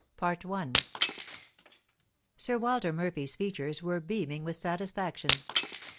Sir Walter Murphy's features were beaming with satisfaction.